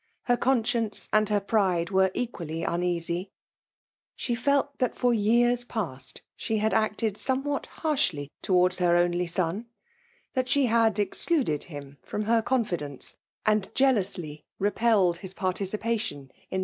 her Hpnscknee and her pride wcree^aUy iincaqF« 4Sbe felt that for years past she had i acted 4omeMrha^ harshly towards her only Bcfti; 'tint 4rile had excluded him from her eoiifidepfi^, and jealously repelled his participation in the.